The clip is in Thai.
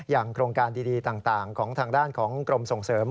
โครงการดีต่างของทางด้านของกรมส่งเสริม